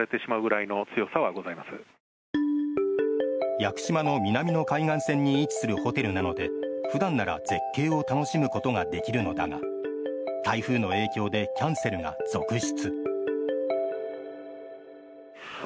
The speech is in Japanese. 屋久島の南の海岸線に位置するホテルなので普段なら絶景を楽しむことができるのだが台風の影響でキャンセルが続出。